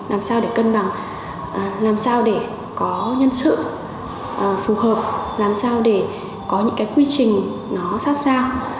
làm sao để cân bằng làm sao để có nhân sự phù hợp làm sao để có những cái quy trình nó sát sao